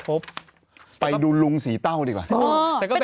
พี่แมว่ะแต่หนุ่มไม่ได้พี่แมว่ะแต่หนุ่มไม่ได้